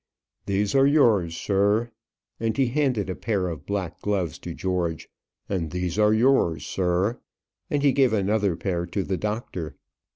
"These are yours, sir," and he handed a pair of black gloves to George. "And these are yours, sir," and he gave another pair to the doctor.